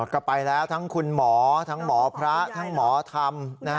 ก็ไปแล้วทั้งคุณหมอทั้งหมอพระทั้งหมอธรรม